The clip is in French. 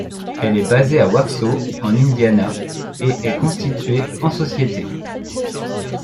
Elle est basée à Warsaw en Indiana et est constituée en société.